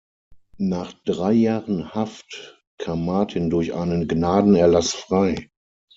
Nach drei Jahren Haft kam Martin durch einen Gnadenerlass frei.